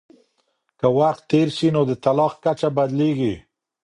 که وخت تېر سي نو د طلاق کچه بدلیږي.